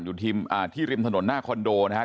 อยู่ที่ริมถนนหน้าคอนโดนะครับ